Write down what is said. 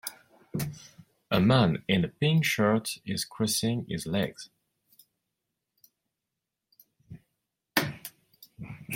A man in a pink shirt is crossing his legs.